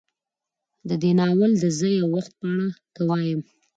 د دې ناول د ځاى او وخت په اړه که وايم